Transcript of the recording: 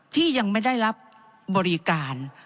ที่ยังไม่ได้รับบริการ